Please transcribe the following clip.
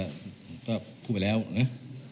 ก็กลับไปแล้วนะ